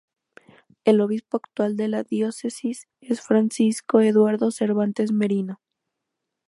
El Obispo actual de la Diócesis es Francisco Eduardo Cervantes Merino.